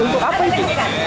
untuk apa itu